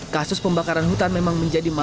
kasus pembakaran hutan memang menjadi masalah